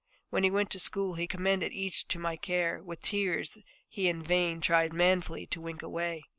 When he went to school he commended each to my care, with tears he in vain tried manfully to wink away.